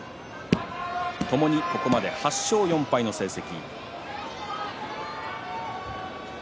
ともに、ここまで８勝４敗の成績。